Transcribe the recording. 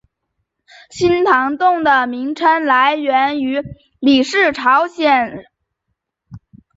新堂洞的名称来源于李氏朝鲜时期该地区内的一个名为新堂村的村庄。